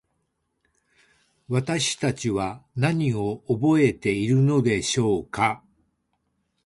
私たちは何を覚えているのでしょうか。